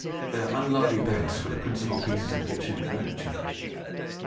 Their unlovely beds were the principal pieces of kitchen furniture.